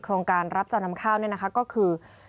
โครงการรับจำนำข้าวนี่นะคะก็คือ